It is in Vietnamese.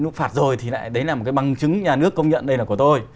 nó phạt rồi thì lại đấy là một cái bằng chứng nhà nước công nhận đây là của tôi